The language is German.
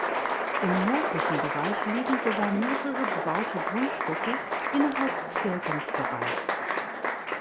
Im nördlichen Bereich liegen sogar mehrere bebaute Grundstücke innerhalb des Geltungsbereichs.